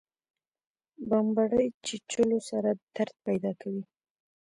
بمبړې چیچلو سره درد پیدا کوي